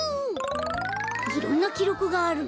いろんなきろくがあるね。